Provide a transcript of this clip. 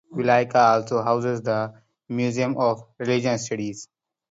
Vileyka also houses the Museum of Regional Studies.